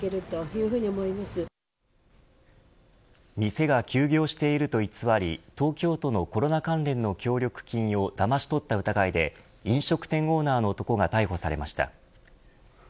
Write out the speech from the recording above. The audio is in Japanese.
店が休業していると偽り東京都のコロナ関連の協力金をだまし取った疑いで飲食店オーナーの男が逮捕されました。